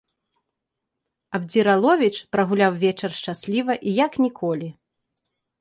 Абдзіраловіч прагуляў вечар шчасліва і як ніколі.